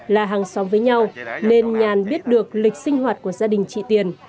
là hàng xóm với nhau nên nhàn biết được lịch sinh hoạt của gia đình chị tiền